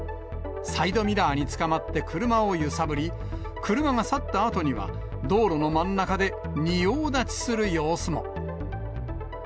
サイドミラーにつかまって車を揺さぶり、車が去ったあとには、道路の真ん中で、仁王立ちする様子も。